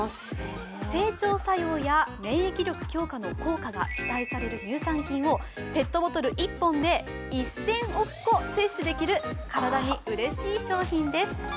整腸作用や免疫力強化の効果が期待される乳酸菌をペットボトル１本で１０００億個摂取できる体にうれしい商品です。